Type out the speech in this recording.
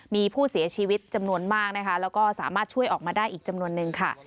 มีผู้เสียชีวิตจำนวนมากนะคะแล้วก็สามารถช่วยออกมาได้อีกจำนวนนึงค่ะ